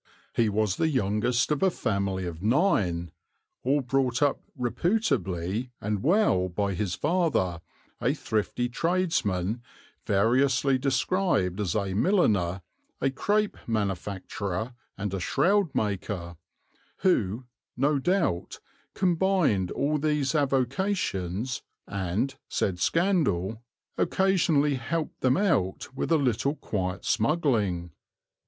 "He was the youngest of a family of nine, all brought up reputably and well by his father, a thrifty tradesman variously described as a milliner, a crape manufacturer and a shroud maker, who, no doubt, combined all these avocations and, said scandal, occasionally helped them out with a little quiet smuggling."